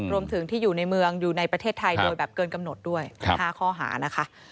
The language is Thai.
รวมถึงที่อยู่ในเมืองอยู่ในประเทศไทยโดยแบบเกินกำหนดด้วย๕ข้อหานะคะ